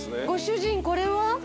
ご主人これは？